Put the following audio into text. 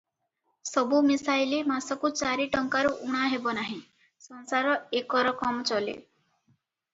ସବୁ ମିଶାଇଲେ ମାସକୁ ଚାରି ଟଙ୍କାରୁ ଊଣା ହେବ ନାହିଁ, ସଂସାର ଏକରକମ ଚଳେ।